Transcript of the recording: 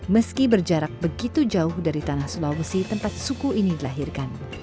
meski berjarak begitu jauh dari tanah sulawesi tempat suku ini dilahirkan